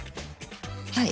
はい。